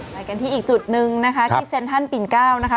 ไปกันที่อีกจุดนึงนะคะที่เซ็นทรัลปิ่นเก้านะคะ